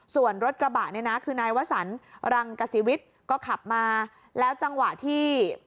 ส่วนรถกระบะเนี่ยนะคือนายวสันรังกษีวิทย์ก็ขับมาแล้วจังหวะที่